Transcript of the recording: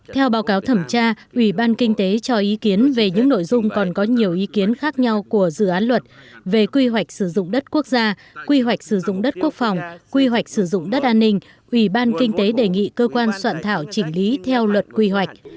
theo báo cáo thẩm tra ủy ban kinh tế cho ý kiến về những nội dung còn có nhiều ý kiến khác nhau của dự án luật về quy hoạch sử dụng đất quốc gia quy hoạch sử dụng đất quốc phòng quy hoạch sử dụng đất an ninh ủy ban kinh tế đề nghị cơ quan soạn thảo chỉnh lý theo luật quy hoạch